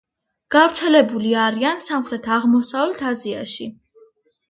გავრცელებული არიან სამხრეთ-აღმოსავლეთ აზიაში.